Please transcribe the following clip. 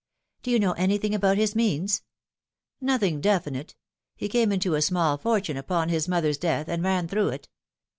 " Do you know anything about his means ?"" Nothing definite. He came into a small fortune upon his mother's death, and ran through it.